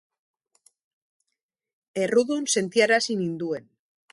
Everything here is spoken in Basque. Errudun sentiarazi ninduen.